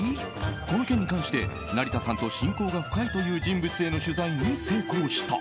この件に関して成田さんと親交が深いという人物への取材に成功した。